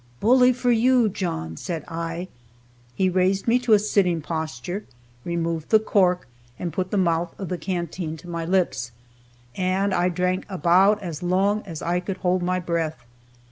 "Bully for you, John!" said I. He raised me to a sitting posture, removed the cork, and put the mouth of the canteen to my lips, and I drank about as long as I could hold my breath.